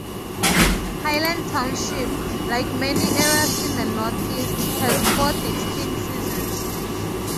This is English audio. Highland Township, like many areas in the northeast, has four distinct seasons.